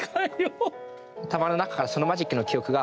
頭の中からそのマジックの記憶が。